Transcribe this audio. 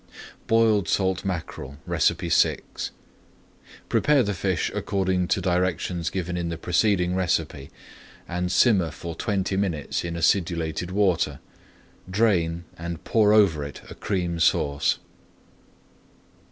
BOILED SALT MACKEREL VI Prepare the fish according to directions [Page 218] given in the preceding recipe, and simmer for twenty minutes in acidulated water. Drain and pour over it a Cream Sauce.